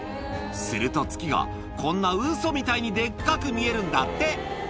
すると月が、こんなウソみたいにでっかく見えるんだって。